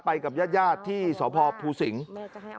ไปกับญาติยาดที่สพภูศิงษ์